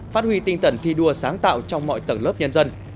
phát huy tinh thần thi đua sáng tạo trong mọi tầng lớp nhân dân